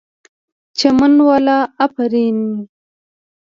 چمن والو آفرین!!